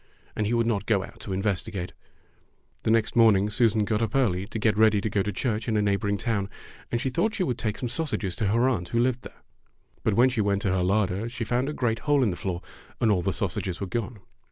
And he] would not go out to inves tigate. The next morning Susan got up early to get ready to go to church in a neighboring town, and she thought she would take some sausages to her aunt who lived there. But when she went to her larder she found a great hole in the floor, and all the sausages were gone.